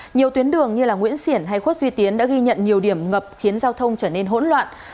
nhiều tuyến đường như nguyễn xiển hay khuất duy tiến đã ghi nhận nhiều điểm ngập khiến giao thông trở nên hỗn loạn